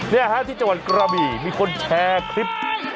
นี่ฮะที่จังหวัดกระบี่มีคนแชร์คลิป